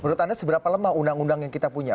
menurut anda seberapa lemah undang undang yang kita punya